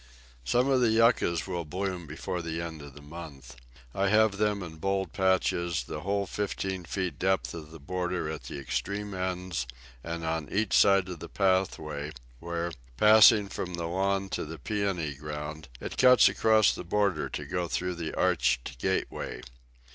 Some of the Yuccas will bloom before the end of the month. I have them in bold patches the whole fifteen feet depth of the border at the extreme ends, and on each side of the pathway, where, passing from the lawn to the Pæony ground, it cuts across the border to go through the arched gateway.